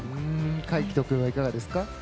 海人君はいかがですか？